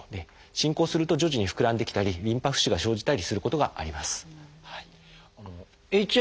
進行すると徐々に膨らんできたりリンパ浮腫が生じたりすることがあります。